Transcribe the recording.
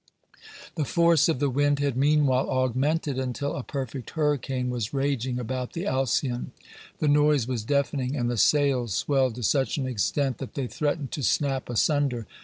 The force of the wind had meanwhile augmented until a perfect hurricane was raging about the Alcyon; the noise was deafening, and the sails swelled to such an extent that they threatened to snap asunder.